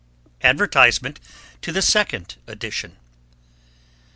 ADVERTISMENT TO THE SECOND EDITION.